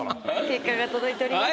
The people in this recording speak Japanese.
結果が届いております。